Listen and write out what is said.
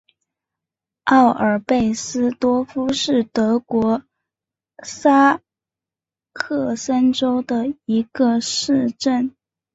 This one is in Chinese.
奥尔贝尔斯多夫是德国萨克森州的一个市镇。